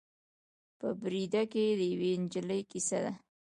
په بریده کې د یوې نجلۍ کیسه ده.